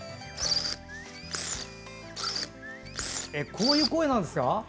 こういう声なんですか？